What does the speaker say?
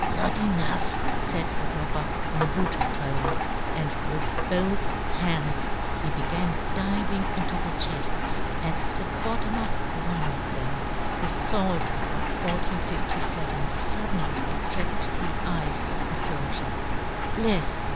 " Not enough," faid the robber, in a brutal tone, and with both hands he began diving into the chefts. At the bottom of one of them the Pfalter of 1 457 fuddenly attracted the eyes of the foldier ; lefs.